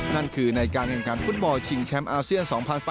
นั่นคือในการแข่งขันฟุตบอลชิงแชมป์อาเซียน๒๐๑๘